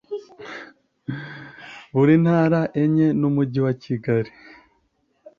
Buri ntara enye n’Umujyi wa Kigali